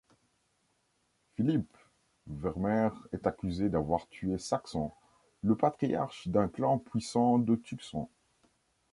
Philip Wermeer est accusé d'avoir tué Saxon, le patriarche d'un clan puissant de Tucson.